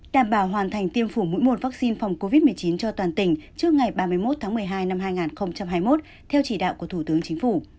đảm bảo hoàn thành tiêm phủ mũi một vaccine phòng covid một mươi chín cho toàn tỉnh trước ngày ba mươi một tháng một mươi hai năm hai nghìn hai mươi một theo chỉ đạo của thủ tướng chính phủ